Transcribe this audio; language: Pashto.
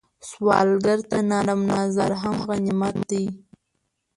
سوالګر ته نرم نظر هم غنیمت دی